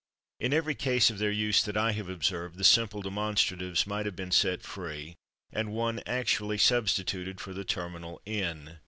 In every case of their use that I have observed the simple demonstratives might have been set free and /one/ actually substituted for the terminal /n